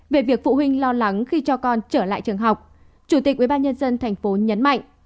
về việc phụ huynh lo lắng khi cho con trở lại trường học chủ tịch ubnd tp nhấn mạnh